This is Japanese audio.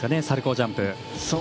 サルコージャンプ。